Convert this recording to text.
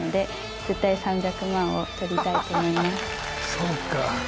そうか。